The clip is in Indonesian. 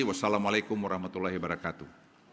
wassalamu'alaikum warahmatullahi wabarakatuh